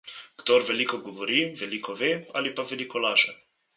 Kdor veliko govori, veliko ve ali pa veliko laže.